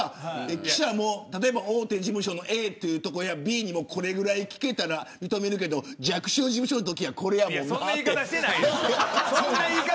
記者も例えば大手事務所のＡというところやＢにもこれくらい聞けたら認めるけど弱小事務所のときはいやそんな言い方